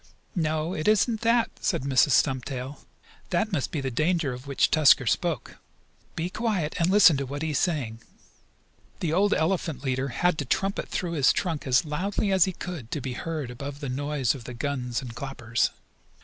"No, it isn't that," said Mrs. Stumptail. "That must be the danger of which Tusker spoke. Be quiet and listen to what he is saying." The old elephant leader had to trumpet through his trunk as loudly as he could to be heard above the noise of the guns and clappers.